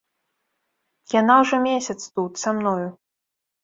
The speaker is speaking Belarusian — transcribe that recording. Яна ўжо месяц тут, са мною.